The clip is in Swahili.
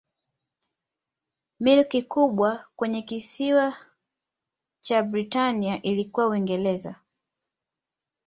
Milki kubwa kwenye kisiwa cha Britania ilikuwa Uingereza.